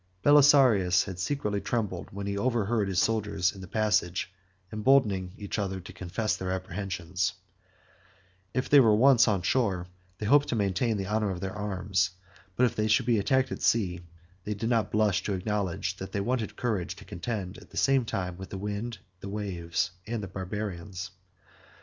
Belisarius had secretly trembled when he overheard his soldiers, in the passage, emboldening each other to confess their apprehensions: if they were once on shore, they hoped to maintain the honor of their arms; but if they should be attacked at sea, they did not blush to acknowledge that they wanted courage to contend at the same time with the winds, the waves, and the Barbarians.